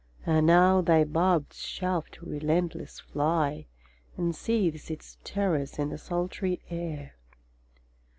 —Ah now thy barbed shaft, relentless fly, Unsheaths its terrors in the sultry air!